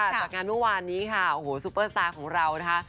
จากงานเมื่อวานนี้ค่ะโอ้โหซุปเปอร์สตาร์ของเรานะคะ